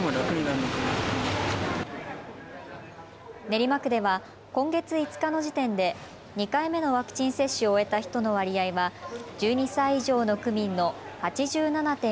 練馬区では今月５日の時点で２回目のワクチン接種を終えた人の割合は１２歳以上の区民の８７．９％。